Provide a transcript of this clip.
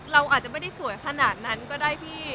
เราอาจจะไม่ได้สวยขนาดนั้นก็ได้พี่